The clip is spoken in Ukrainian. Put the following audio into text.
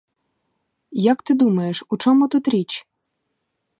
Як ти думаєш: у чому тут річ?